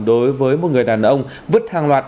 đối với một người đàn ông vứt hàng loạt